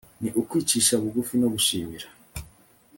ni ukwicisha bugufi no gushimira